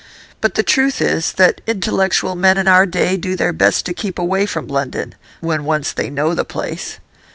But the truth is that intellectual men in our day do their best to keep away from London when once they know the place.